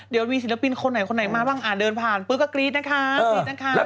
เดี๋ยวมีศิลปินคนไหนมาแบบว่าเดินผ่านปุ๊บก็กรี๊สครับ